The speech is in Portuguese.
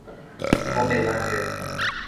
Romelândia